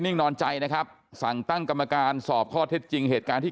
นอนใจนะครับสั่งตั้งกรรมการสอบข้อเท็จจริงเหตุการณ์ที่